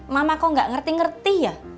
mama kok nggak ngerti ngerti ya